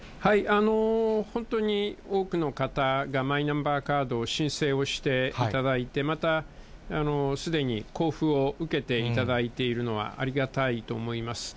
本当に多くの方がマイナンバーカードを申請をしていただいて、またすでに交付を受けていただいているのは、ありがたいと思います。